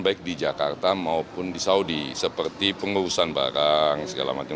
baik di jakarta maupun di saudi seperti pengurusan barang segala macam